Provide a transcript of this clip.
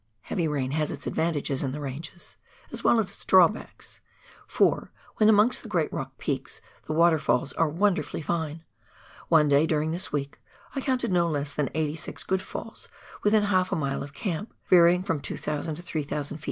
Heavy rain has its advantages in the ranges, as well as its drawbacks, for, when amongst the great rock peaks, the water falls are wonderfully fine. One day, during this week, I counted no less than eighty six good falls within half a mile of camp, varying from 2,000 to 300 ft.